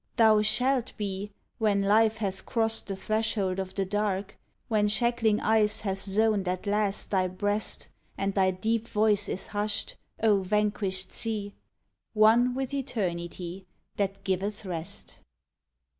Thou shalt be When Life hath crossed the threshold of the Dark, —• When shackling ice hath zoned at last thy breast, And thy deep voice is hushed, O vanquished Seal One with eternity that giveth rest.